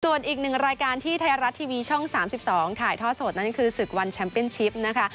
ส่วนอีกหนึ่งรายการที่ไทยรัฐทีวีช่อง๓๒ถ่ายท่อสดนั่นคือศึกวันแชมป์เป็นชิปนะคะ